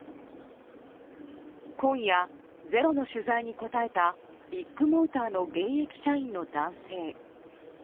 今夜「ｚｅｒｏ」の取材に答えたビッグモーターの現役社員の男性。